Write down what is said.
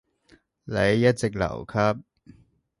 你一直留級？